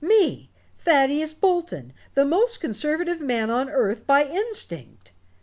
Me Thadeus Bolton the most conservative man on earth by instinct!